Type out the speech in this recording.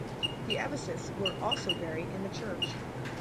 The abbesses were also buried in the church.